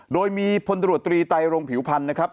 โดยมีพลตรวจตรีไตรรงผิวพันธ์นะครับ